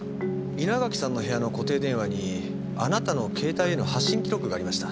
稲垣さんの部屋の固定電話にあなたの携帯への発信記録がありました。